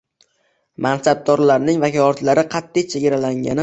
Mansabdorlarning vakolatlari qat’iy chegaralangani